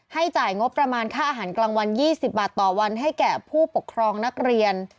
จ่ายงบประมาณค่าอาหารกลางวัน๒๐บาทต่อวันให้แก่ผู้ปกครองนักเรียน